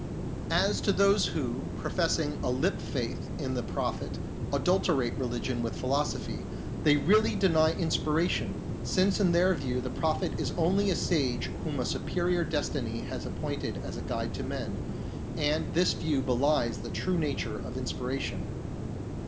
As to those who, professing a lip faith in the Prophet, adulterate religion with philosophy, they really deny inspiration, since in their view the Prophet is only a sage whom a superior destiny has appointed as guide to men, and this view belies the true nature of inspiration.